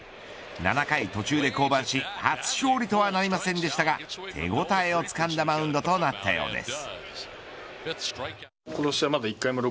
７回途中で降板し初勝利とはなりませんでしたが手応えをつかんだマウンドとなったようです。